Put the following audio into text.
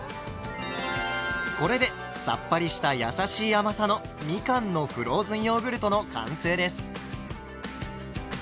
これでさっぱりしたやさしい甘さのみかんのフローズンヨーグルトの完成です。